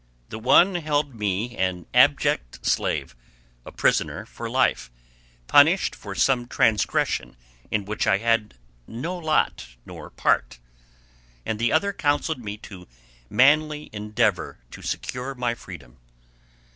The one held me an abject slave—a prisoner for life, punished for some transgression in which I had no lot nor part; and the other counseled me to manly endeavor to secure my freedom.